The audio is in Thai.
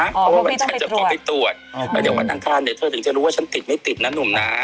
อ๋อเพราะว่าฉันจะขอให้ตรวจเดี๋ยวก่อนนางครานแน่เธอถึงจะรู้ว่าฉันติดไม่ติดนะหนุ่มนะ